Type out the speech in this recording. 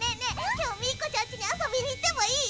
きょうミーコちゃんにあそびにいってもいい？